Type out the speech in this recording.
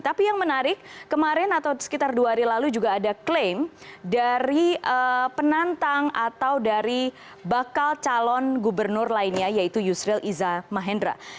tapi yang menarik kemarin atau sekitar dua hari lalu juga ada klaim dari penantang atau dari bakal calon gubernur lainnya yaitu yusril iza mahendra